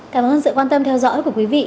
cảm ơn sự quan tâm theo dõi của quý vị